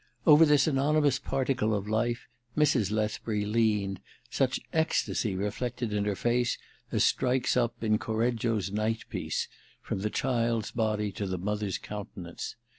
Over this anony mous particle of life Mrs. Lethbury leaned, such ecstasy reflected in her face as strikes up, in Corrcggio's Night piece, from the child's body to the mother's countenance.